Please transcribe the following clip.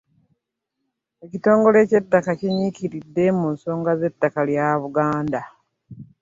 Ekitongole ky'ettaka kinyiikiridde mu nsonga z'ettaka lya Buganda.